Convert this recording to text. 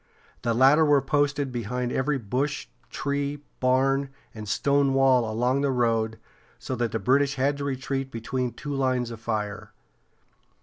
The latter were posted behind every bush, tree, barn, and stone wall all along the road, so that the British had to retreat between two lines of fire.